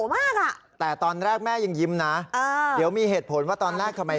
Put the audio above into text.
มันพล้อยออกกูไม่ได้เรียกมันเลยมันตีมันทำไม